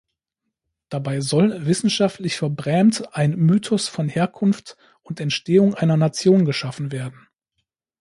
Dabei soll, wissenschaftlich verbrämt, ein Mythos von Herkunft und Entstehung einer Nation geschaffen werden.